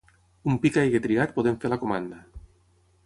Un pic hagi triat podem fer la comanda.